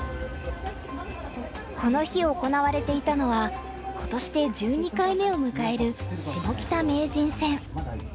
この日行われていたのは今年で１２回目を迎えるシモキタ名人戦。